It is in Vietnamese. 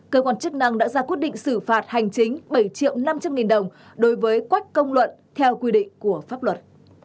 cơ quan chức năng đã ra quyết định xử phạt hành chính bảy triệu năm trăm linh nghìn đồng đối với quách công luận theo quy định của pháp luật